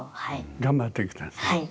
頑張って下さい。